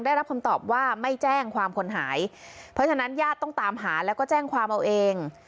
ได้รับคำตอบว่าไม่แจ้งความคนหายเพราะฉะนั้นญาติต้องตามหาแล้วก็แจ้งความเอาเอง